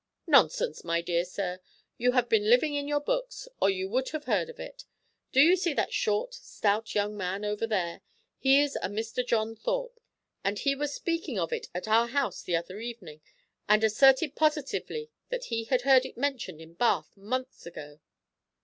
"Nonsense, my dear sir. You have been living in your books, or you would have heard of it. Do you see that short, stout young man over there? He is a Mr. John Thorpe, and he was speaking of it at our house the other evening, and asserted positively that he had heard it mentioned in Bath months ago."